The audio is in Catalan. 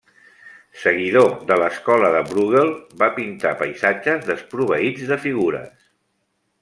Seguidor de l'escola de Brueghel, va pintar paisatges desproveïts de figures.